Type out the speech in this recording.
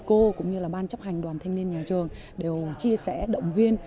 thì lãnh đạo thầy cô cũng như là ban chấp hành đoàn thanh niên nhà trường đều chia sẻ động viên